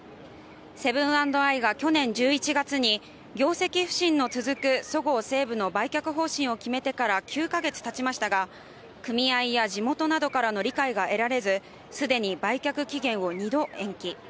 セブン＆アイが去年１１月に業績不振の続くそごう・西武の売却方針を決めてから９か月たちましたが組合や地元などからの理解が得られらず既に売却期限を２度延期。